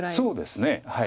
そうですね。